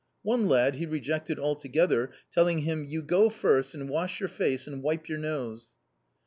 One lad he rejected altogether, telling him, "you go first and wash your face and wipe your nose."